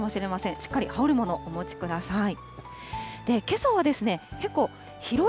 しっかり羽織るもの、お持ちください。